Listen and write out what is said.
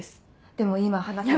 でも今話せば。